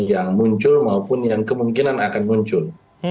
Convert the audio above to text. yang muncul maupun yang kemungkinan akan muncul